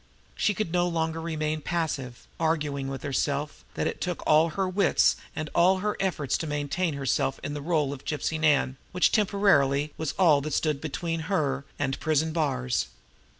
She could no longer remain passive, arguing with herself that it took all her wits and all her efforts to maintain herself in the role of Gypsy Nan, which temporarily was all that stood between her and prison bars.